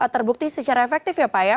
terbukti secara efektif ya pak ya